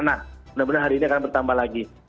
nah benar benar hari ini akan bertambah lagi